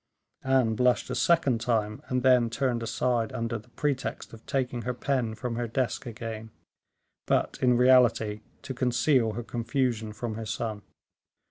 Anne blushed a second time, and turned aside under the pretext of taking her pen from her desk again, but in reality to conceal her confusion from her son.